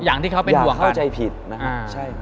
อย่าเข้าใจผิดนะครับ